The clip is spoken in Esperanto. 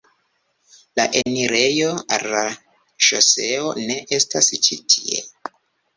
La enirejo al la ŝoseo ne estas ĉi tie.